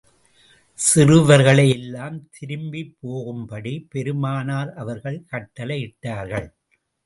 சிறுவர்களை எல்லாம் திரும்பிப் போகும் படி, பெருமானார் அவர்கள் கட்டளையிட்டார்கள்.